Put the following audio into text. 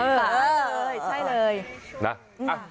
เออใช่เลย